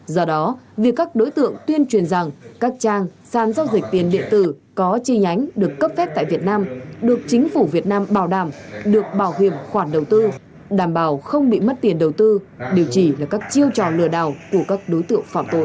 do đó việc các đối tượng tuyên truyền rằng các trang sàn giao dịch tiền điện tử có chi nhánh được cấp phép tại việt nam được chính phủ việt nam bảo đảm được bảo hiểm khoản đầu tư đảm bảo không bị mất tiền đầu tư điều chỉ là các chiêu trò lừa đảo của các đối tượng phạm tội